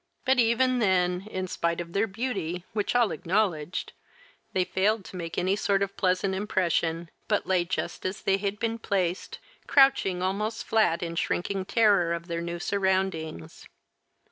But even then, in spite of their beauty, which all acknowledged, they failed to make any sort of pleasant impression, but lay just as they had been placed, crouching almost flat in shrinking terror of their new surroundings.